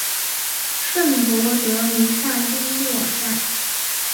圣博德弥撒中心网站